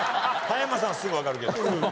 田山さんはすぐわかるけど。